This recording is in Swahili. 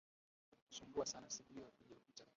Walitusumbua sana siku hiyo iliyopita